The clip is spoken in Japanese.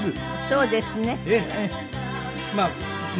そうですね。